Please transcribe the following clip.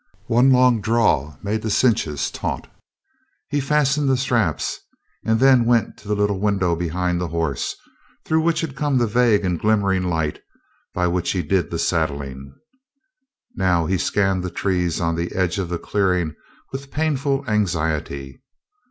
One long draw made the cinches taut. He fastened the straps, and then went to the little window behind the horse, through which had come the vague and glimmering light by which he did the saddling. Now he scanned the trees on the edge of the clearing with painful anxiety.